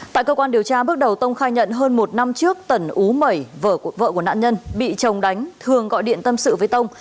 tại cơ quan điều tra bước đầu tông khai nhận hơn một năm trước tần ú mẩy vợ của nạn nhân bị chồng đánh thường gọi điện tâm sự với tông